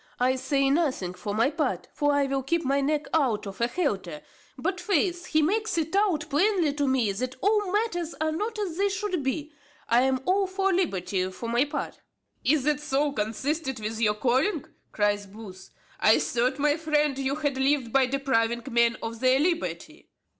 I say nothing for my part, for I will keep my neck out of a halter; but, faith, he makes it out plainly to me that all matters are not as they should be. I am all for liberty, for my part." "Is that so consistent with your calling?" cries Booth. "I thought, my friend, you had lived by depriving men of their liberty."